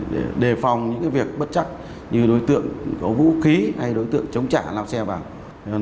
để đề phòng những việc bất chắc như đối tượng có vũ khí hay đối tượng chống trả lao xe vào